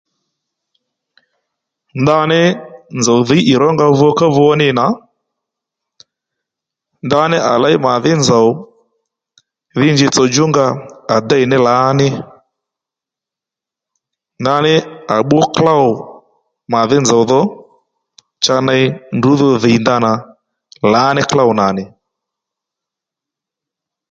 Ndaní nzǒw dhǐy ìrónga vukávu ní nà ndaní à léy màdhí nzòw dhí nji tsò djú nga à déy lǎní ndaní à bbú klôw màdhí nzòw dho cha ney ndrǔ dho dhìy ndanà lǎní klôw nà nì